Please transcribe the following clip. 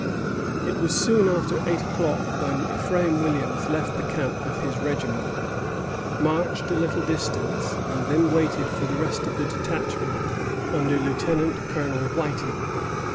It was soon after eight o'clock when Ephraim Williams left the camp with his regiment, marched a little distance, and then waited for the rest of the detachment under Lieutenant Colonel Whiting.